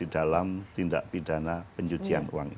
kembali sesaat lagi